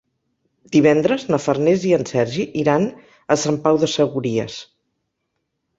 Divendres na Farners i en Sergi iran a Sant Pau de Segúries.